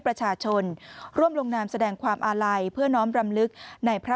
ประชาชนร่วมลงนามแสดงความอาลัยเพื่อน้อมรำลึกในพระ